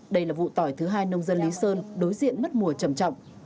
đây là vụ tỏi thứ hai nông dân lý sơn đối diện mất mùa trầm trọng